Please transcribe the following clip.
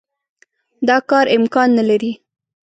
دا کار امکان نه لري.